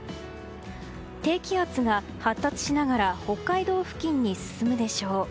低気圧が発達しながら北海道付近に進むでしょう。